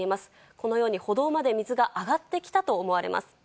このように歩道まで水が上がってきたと思われます。